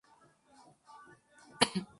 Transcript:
De Fadrique desciende el linaje de los Enríquez.